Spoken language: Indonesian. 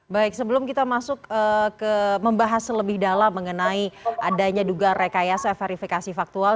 baik sebelum kita masuk ke membahas lebih dalam mengenai adanya dugaan rekayasa verifikasi faktual